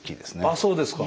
そうですか。